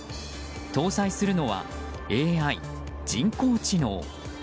搭載するのはＡＩ・人工知能。